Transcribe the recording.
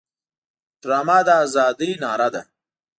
ډرامه د ازادۍ ناره ده